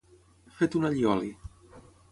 Fet un allioli.